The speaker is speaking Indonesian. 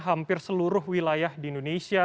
hampir seluruh wilayah indonesia